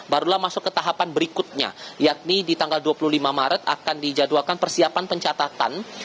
barulah masuk ke tahapan berikutnya yakni di tanggal dua puluh lima maret akan dijadwalkan persiapan pencatatan